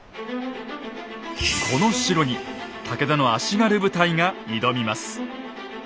この城に武田の足軽部隊が挑みます。